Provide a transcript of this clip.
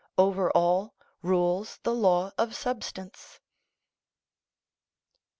Over all rules the law of substance.